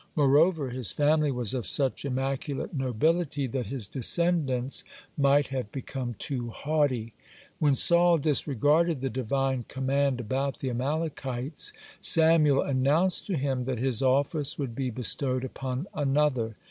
Moreover, his family was of such immaculate nobility that his descendants might have become too haughty. (63) When Saul disregarded the Divine command about the Amalekites, Samuel announced to him that his office would be bestowed upon another.